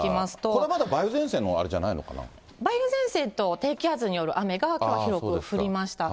これまだ梅雨前線のあれじゃ梅雨前線と低気圧による雨がきょうは広く降りました。